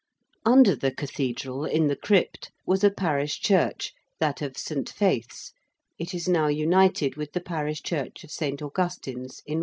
Under the Cathedral, in the crypt, was a parish church that of St. Faith's it is now united with the parish church of St. Augustine's in Watling Street.